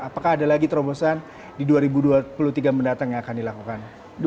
apakah ada lagi terobosan di dua ribu dua puluh tiga mendatang yang akan dilakukan